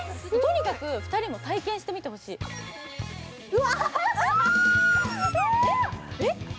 とにかく２人も体験してみてほしいうわっ！